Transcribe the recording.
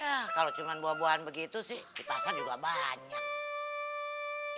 ya kalau cuma buah buahan begitu sih di pasar juga banyak